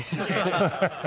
ハハハハハ。